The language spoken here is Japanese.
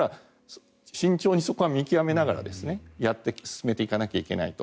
慎重にそこは見極めながら進めていかなきゃいけないと。